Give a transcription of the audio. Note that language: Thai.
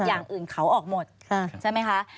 อย่างอื่นเขาออกหมดใช่ไหมคะ